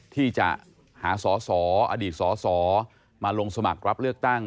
ที่จะหาสอสออดีตสสมาลงสมัครรับเลือกตั้ง